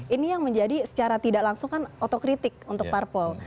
ini yang menjadi secara tidak langsung kan otokritik untuk parpol